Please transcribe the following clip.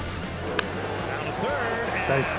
大好き。